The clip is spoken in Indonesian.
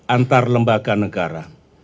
antar lembaga negara